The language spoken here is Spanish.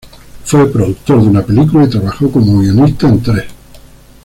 Fue productor de una película y trabajó como guionista en tres.